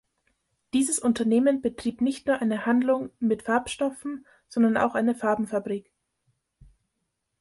Dieses Unternehmen betrieb nicht nur eine Handlung mit Farbstoffen, sondern auch eine Farbenfabrik.